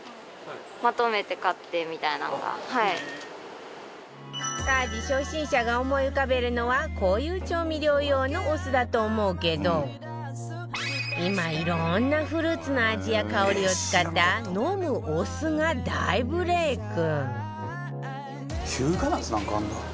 家事初心者が思い浮かべるのはこういう調味料用のお酢だと思うけど今いろんなフルーツの味や香りを使った飲むお酢が大ブレーク